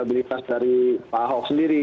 dan elektabilitas dari pak ahok sendiri